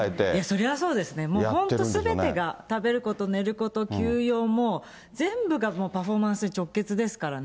それはそうですね、もう本当すべてが食べること、寝ること、休養も、全部がパフォーマンスに直結ですからね。